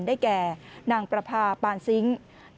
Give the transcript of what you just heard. ได้แก่นางประพาปานซิงค์